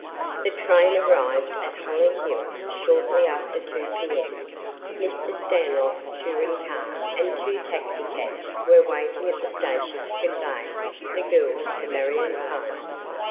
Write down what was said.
The train arrived at Hollyhill shortly after 2 p.m. Mr. Stanlock's touring car and two taxicabs were waiting at the station to convey the girls to Marion's home.